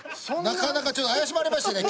なかなかちょっと怪しまれましてね